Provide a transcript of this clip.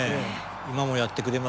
今もやってくれますしね。